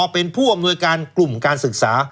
เป็นผู้อำนวยการกลุ่มการศึกษา